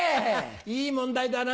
いい問題だな。